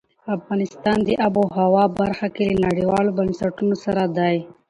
افغانستان د آب وهوا برخه کې له نړیوالو بنسټونو سره دی.